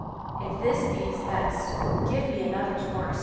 If this be his best, give me another's worst